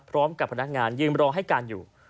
พร้อมกับพนักงานยืนรอให้การอยู่